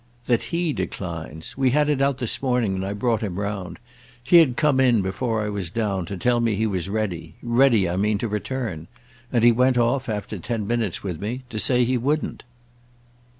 "That he declines. We had it out this morning and I brought him round. He had come in, before I was down, to tell me he was ready—ready, I mean, to return. And he went off, after ten minutes with me, to say he wouldn't."